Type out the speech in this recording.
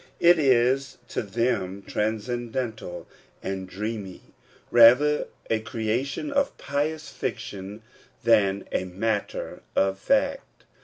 It is to them transcendental and dreamy ; rather a creation of pious fiction than a matter of fact.